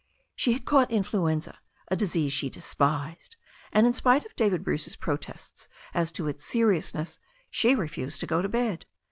She had caught influenza, a disease she despised, and, in spite of David Bruce's pro tests as to its seriousness, she refused to go to bed.